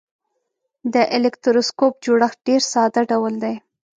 د الکتروسکوپ جوړښت ډیر ساده ډول دی.